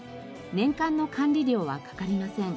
年間の管理料は掛かりません。